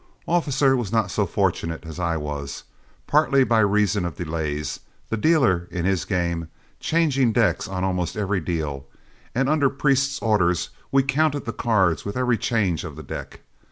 Officer was not so fortunate as I was, partly by reason of delays, the dealer in his game changing decks on almost every deal, and under Priest's orders, we counted the cards with every change of the deck.